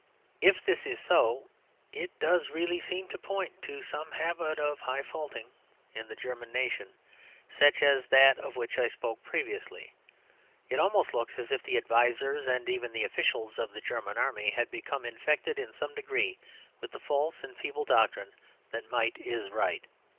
If this is so, it does really seem to point to some habit of high faultin' in the German nation, such as that of which I spoke previously. It almost looks as if the advisers, and even the officials, of the German Army had become infected in some degree with the false and feeble doctrine that might is right.